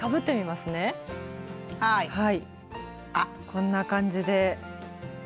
こんな感じではい。